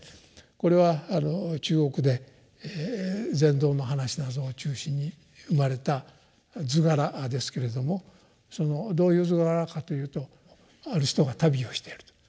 これはあの中国で善導の話などが中心に生まれた図柄ですけれどもそのどういう図柄かというとある人が旅をしていると。